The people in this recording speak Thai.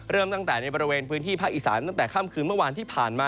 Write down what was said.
เริ่มตั้งแต่ในบริเวณพื้นที่ภาคอีสานตั้งแต่ค่ำคืนเมื่อวานที่ผ่านมา